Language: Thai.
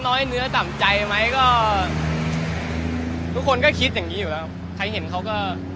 น้อยเนื้อต่ำใจไหมก็ทุกคนก็คิดอย่างนี้อยู่แล้วครับ